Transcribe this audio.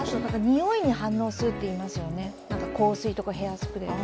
においに反応するっていいますよね、香水とかヘアスプレーの。